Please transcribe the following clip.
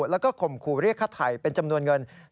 แล้วก็ข่มขู่เรียกค่าไถ่เป็นจำนวนเงิน